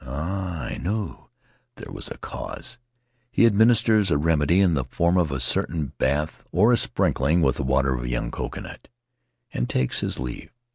Ah, I knew there was a cause!' He administers a remedy in the form of a certain bath or a sprinkling with the water of a young coconut, and takes his leave.